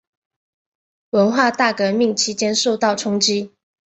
文化大革命期间受到冲击。